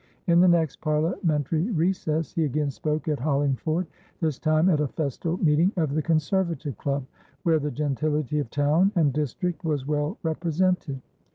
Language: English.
In the next parliamentary recess, he again spoke at Hollingford, this time at a festal meeting of the Conservative Club, where the gentility of town and district was well represented.